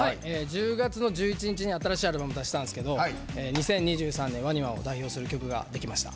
１０月の１１日に新しいアルバムを出したんですけど２０２３年ＷＡＮＩＭＡを代表する曲ができました。